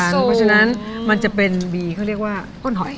เพราะฉะนั้นมันจะเป็นบีเขาเรียกว่าก้นหอย